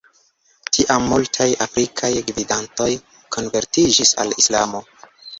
Tiam multaj afrikaj gvidantoj konvertiĝis al islamo.